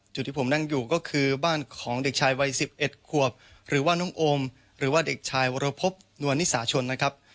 จุดที่ผมนั่งอยู่ก็คือบ้านของเด็กชายวัย๑๑ขวบหรือว่าน้องโอมหรือว่าเด็กชายวรพบนวลนิสาชนนะครับ